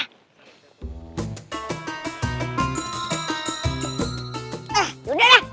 ah udah dah